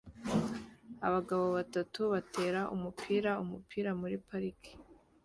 Abagabo batatu batera umupira umupira muri parike